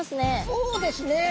そうですね。